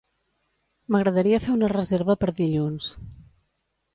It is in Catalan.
M'agradaria fer una reserva per dilluns.